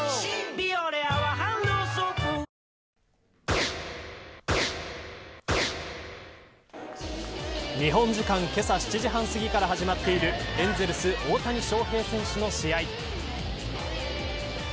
ビオレ泡ハンドソープ」日本時間、けさ７時半すぎから始まっているエンゼルス大谷翔平選手の試合。